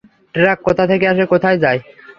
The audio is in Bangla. ট্রাক কোথা থেকে আসে, কোথায় যায়?